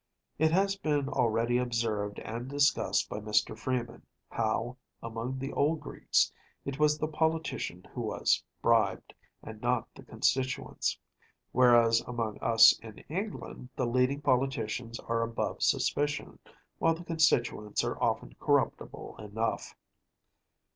It has been already observed and discussed by Mr. Freeman, how, among the old Greeks, it was the politician who was bribed, and not the constituents; whereas among us in England the leading politicians are above suspicion, while the constituents are often corruptible enough.